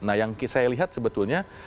nah yang saya lihat sebetulnya